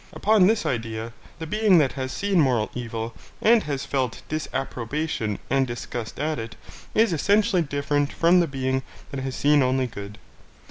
Upon this idea, the being that has seen moral evil and has felt disapprobation and disgust at it is essentially different from the being that has seen only good.